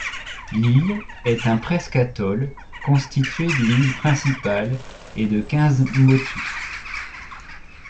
L'île est un presqu'atoll constitué d'une île principale et de quinze motu.